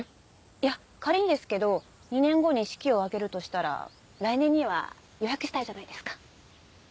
いや仮にですけど２年後に式を挙げるとしたら来年には予約したいじゃないですか。